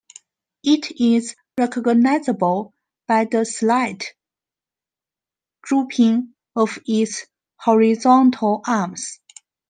It is recognisable by the slight drooping of its horizontal arms.